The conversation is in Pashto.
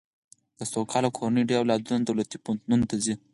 د سوکاله کورنیو ډېر اولادونه دولتي پوهنتونونو ته ځي.